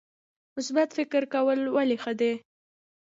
مثبت فکر کول ولې ښه دي؟